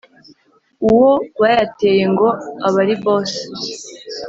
uwo bayateye ngo aba ari boss